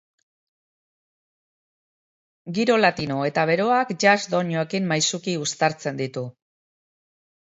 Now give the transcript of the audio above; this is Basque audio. Giro latino eta beroak jazz doinuekin maisuki uztartzen ditu.